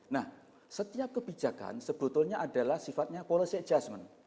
nah setiap kebijakan sebetulnya adalah sifatnya policy adjustment